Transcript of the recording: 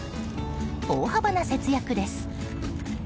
大幅な節約です。